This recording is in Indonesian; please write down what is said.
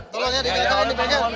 tolong ya di belakang di belakang